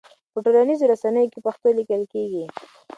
په ټولنيزو رسنيو کې پښتو ليکل کيږي.